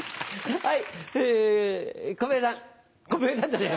はい。